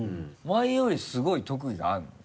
前よりすごい特技があるの？